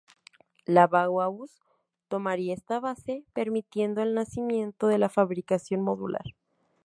La Bauhaus tomaría esta base, permitiendo el nacimiento de la fabricación modular.